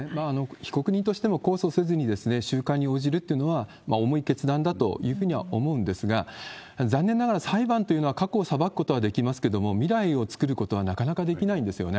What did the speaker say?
被告人としても控訴せずに収監に応じるっていうのは、重い決断だというふうには思うんですが、残念ながら、裁判というのは過去を裁くことはできますけれども、未来を作ることはなかなかできないんですよね。